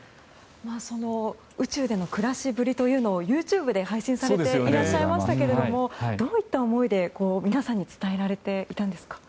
宇宙での暮らしぶりというのをＹｏｕＴｕｂｅで配信されていらっしゃいましたけどどういった思いで皆さんに伝えられていたんですか。